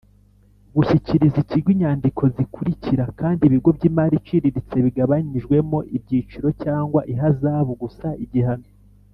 gushyikiriza Ikigo inyandiko zikurikira kandi Ibigo by imari iciriritse bigabanyijwemo ibyiciro cyangwa ihazabu gusa igihano